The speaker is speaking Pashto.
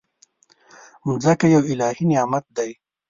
مځکه یو الهي نعمت دی.